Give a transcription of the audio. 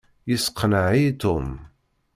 Yesseqneɛ-iyi Tom.